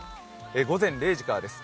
午前０時からです。